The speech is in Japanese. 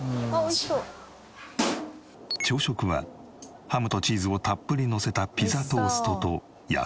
朝食はハムとチーズをたっぷりのせたピザトーストと野菜サラダ。